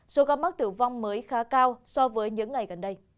số ca mắc tử vong mới khá cao so với những ngày gần đây